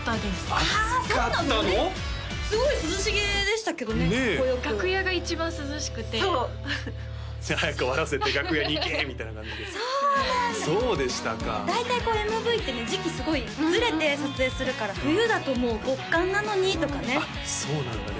あそうなんだねすごい涼しげでしたけどねかっこよく楽屋が一番涼しくてそうじゃあ早く終わらせて楽屋に行けみたいな感じでそうなんだそうでしたか大体こうＭＶってね時期すごいズレて撮影するから冬だともう極寒なのにとかねあっそうなんだね